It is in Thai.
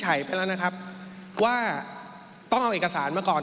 ไปแล้วนะครับว่าต้องเอาเอกสารมาก่อน